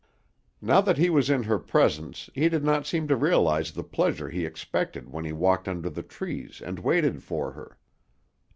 Now that he was in her presence he did not seem to realize the pleasure he expected when he walked under the trees and waited for her.